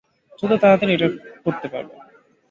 যত তাড়াতাড়ি এটা করতে পারবে।